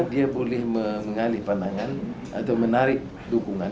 dia boleh mengalih pandangan atau menarik dukungan